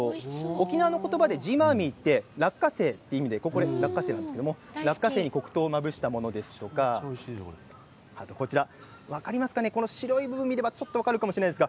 沖縄の言葉でジーマミーって落花生という意味で落花生に黒糖をまぶしたものですとか白い部分を見るとちょっと分かるかもしれません。